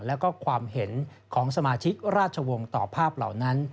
แล้วก็ความเห็นของสมาชิกราชวงศ์ต่อภาพเหล่านั้น